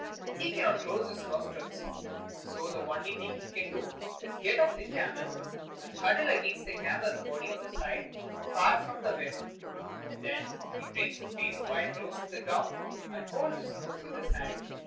He cannot close his nostrils; so the only thing he can do is to get off the camel and huddle against the camel's body on the side far from the wind; then he brings his face quite close to the ground and holds his nose with his hand.